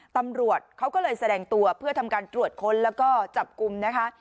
ตำรวจเขาก็เลยแสดงตัวเพื่อทำการตรวจค้นแล้วก็จับกลุ่มนะคะ